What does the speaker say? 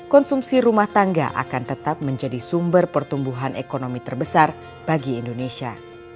konsumsi rumah tangga akan tetap menjadi sumber pertumbuhan ekonomi terbesar bagi indonesia